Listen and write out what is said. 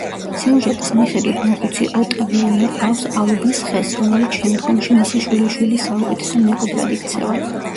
სიუჟეტის მიხედვით, მოხუცი ოტავიანო რგავს ალუბლის ხეს, რომელიც შემდგომში მისი შვილიშვილის საუკეთესო მეგობრად იქცევა.